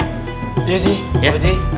iya sih pak wajib